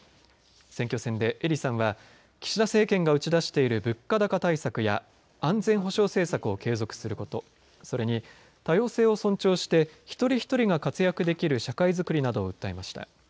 選挙戦で英利さんは岸田政権が打ち出している物価高対策や安全保障政策を継続することそれに多様性を尊重して一人一人が活躍できる社会づくりなどを訴えました。